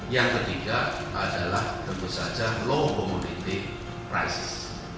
yang ketiga adalah tentu saja low community price